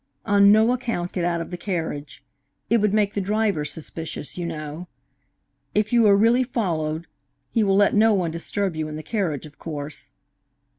On no account get out of the carriage. It would make the driver suspicious, you know. If you are really followed, he will let no one disturb you in the carriage, of course.